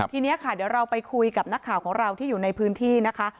ทีนี้ค่ะเดี๋ยวเราไปคุยกับนักข่าวของเราที่อยู่ในพื้นที่นะคะ